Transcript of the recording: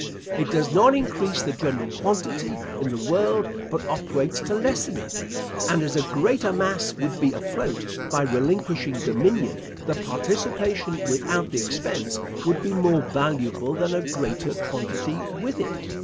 It does not increase the general quantity in the world, but operates to lessen it; and as a greater mass would be afloat by relinquishing dominion, the participation without the expense would be more valuable than a greater quantity with it.